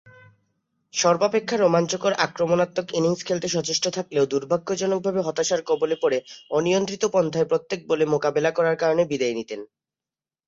সর্বাপেক্ষা রোমাঞ্চকর, আক্রমণাত্মক ইনিংস খেলতে সচেষ্ট থাকলেও দূর্ভাগ্যজনকভাবে হতাশার কবলে পড়ে অনিয়ন্ত্রিত পন্থায় প্রত্যেক বলে মোকাবেলা করার কারণে বিদেয় নিতেন।